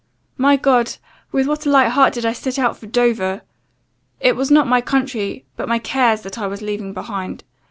"My God, with what a light heart did I set out for Dover! It was not my country, but my cares, that I was leaving behind.